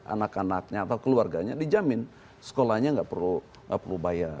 anak anaknya atau keluarganya dijamin sekolahnya nggak perlu bayar